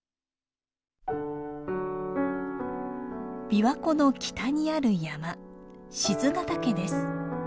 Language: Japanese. びわ湖の北にある山賤ヶ岳です。